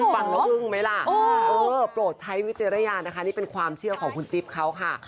ฟังละวึงมั้ยล่ะโอ้โหเพราะใช้วิจารณานะคะนี่เป็นความเชื่อของคุณจิ๊บเขาค่ะ